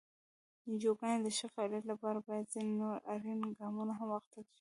د انجوګانو د ښه فعالیت لپاره باید ځینې نور اړین ګامونه هم واخیستل شي.